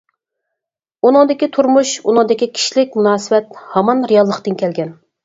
ئۇنىڭدىكى تۇرمۇش ئۇنىڭدىكى كىشىلىك مۇناسىۋەت ھامان رېئاللىقتىن كەلگەن.